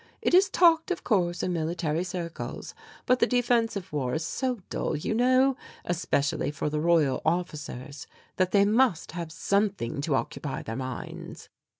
It is talked, of course, in military circles, but the defensive war is so dull, you know, especially for the Royal officers, that they must have something to occupy their minds."